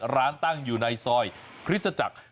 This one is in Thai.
ร้านตั้งอยู่ในซอยคริสตจักร